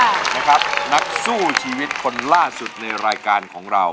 นะครับนักสู้ชีวิตคนล่าสุดในรายการของเรา